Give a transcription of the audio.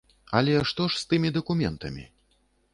Але што ж з тымі дакументамі?